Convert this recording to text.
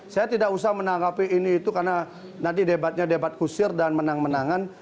saya tidak usah menanggapi ini itu karena nanti debatnya debat kusir dan menang menangan